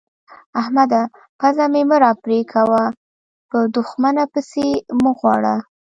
احمده! پزه مې مه راپرې کوه؛ به دوښمنه پيسې مه غواړه.